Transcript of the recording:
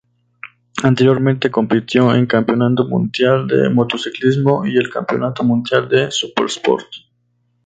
Anteriormente compitió en Campeonato Mundial de Motociclismo y en el Campeonato Mundial de Supersport.